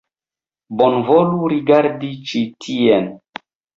Bonvolu rigardi ĉi tien!